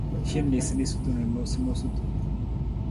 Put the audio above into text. Hin niisaniisatu na noosunoosutu.